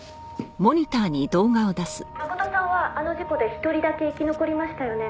「真琴さんはあの事故で１人だけ生き残りましたよね」